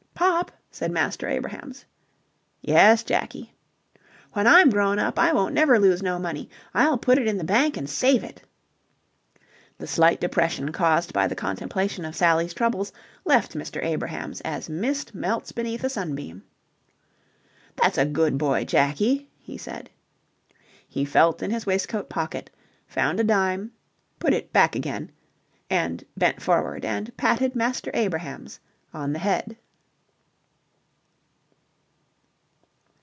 "Pop!" said Master Abrahams. "Yes, Jakie?" "When I'm grown up, I won't never lose no money. I'll put it in the bank and save it." The slight depression caused by the contemplation of Sally's troubles left Mr. Abrahams as mist melts beneath a sunbeam. "That's a good boy, Jakie," he said. He felt in his waistcoat pocket, found a dime, put it back again, and bent forward and patted Master Abrahams on the head.